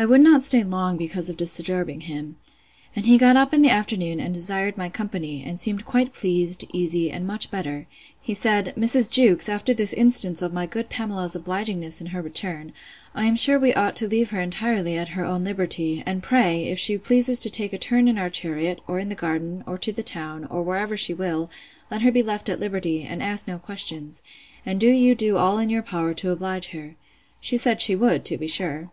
I would not stay long because of disturbing him. And he got up in the afternoon, and desired my company; and seemed quite pleased, easy, and much better. He said, Mrs. Jewkes, after this instance of my good Pamela's obligingness in her return, I am sure we ought to leave her entirely at her own liberty; and pray, if she pleases to take a turn in our chariot, or in the garden, or to the town, or wherever she will, let her be left at liberty, and asked no questions; and do you do all in your power to oblige her. She said she would, to be sure.